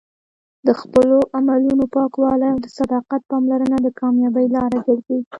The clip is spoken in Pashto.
د خپلو عملونو پاکوالی او د صداقت پاملرنه د کامیابۍ لامل ګرځي.